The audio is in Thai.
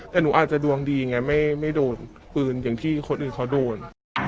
แต่หนูอาจจะดวงดีไงไม่โดนปืนอย่างที่คนอื่นเขาโดน